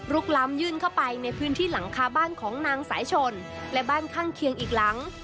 ล้ำยื่นเข้าไปในพื้นที่หลังคาบ้านของนางสายชนและบ้านข้างเคียงอีกหลัง